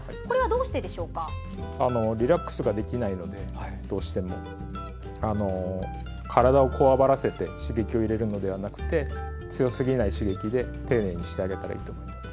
どうしてもリラックスできないので体をこわばらせて刺激を入れるのではなくて強すぎない刺激で丁寧にしてあげたいと思います。